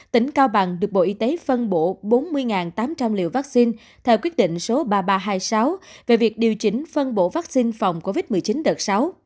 tỉnh cao bằng được bộ y tế phân bổ bốn mươi tám trăm linh liều vaccine theo quyết định số ba nghìn ba trăm hai mươi sáu về việc điều chỉnh phân bổ vaccine phòng covid một mươi chín đợt sáu